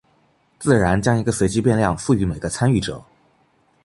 自然将一个随机变量赋予每个参与者。